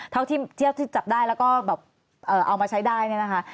เท่าที่จับได้แล้วก็แบบเอามาใช้ได้เนี่ยนะคะ